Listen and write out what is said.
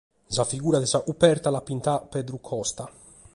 Sa figura de sa coberta l’at pintada Pedru Costa.